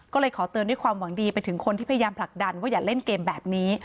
ก็เลยขอเตือนด้วยความหวังดีไปถึงคนที่พยายามผลักดันว่าอย่าเล่นเกมแบบนี้